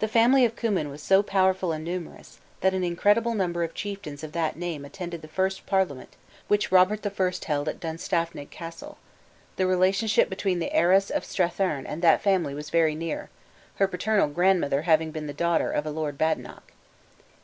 The family of Cummin was so powerful and numerous, that an incredible number of chieftains of that name attended the first parliament which Robert I. Held at Dunstaffnage Castle. The relationship between the heiress of Stratheaarn and that family was very near, her paternal grandmother having been the daughter of a Lord Badenoch.